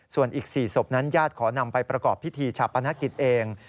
ส่วนอีก๔ศพนั้นญาติขอนำไปประกอบพิธีชาปนกิจเอง